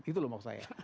itu loh maksud saya